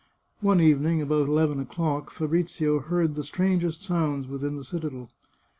One evening, about eleven o'clock, Fabrizio heard the strangest sounds within the citadel.